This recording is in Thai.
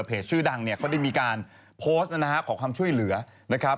ชื่อดังเนี่ยเขาได้มีการโพสต์นะฮะขอความช่วยเหลือนะครับ